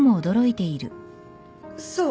そう。